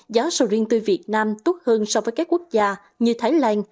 giá sầu riêng tươi việt nam tốt hơn so với các quốc gia như thái lan